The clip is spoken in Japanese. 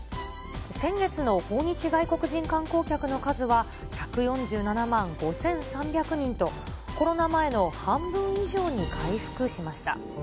先月の訪日外国人観光客の数は、１４７万５３００人と、コロナ前の半分以上に回復しました。